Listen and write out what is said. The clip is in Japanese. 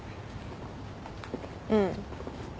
うん。